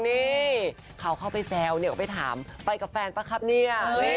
นี่เขาเข้าไปแซวเนี่ยเขาไปถามไปกับแฟนป่ะครับเนี่ย